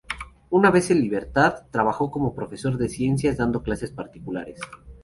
Una vez en libertad, trabajó como profesor de ciencias dando clases particulares.